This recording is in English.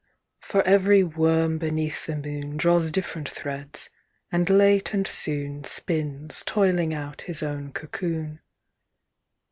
"For every worm beneath the moon Draws different threads, and late and soon Spins, toiling out his own cocoon.